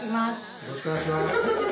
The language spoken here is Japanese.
よろしくお願いします。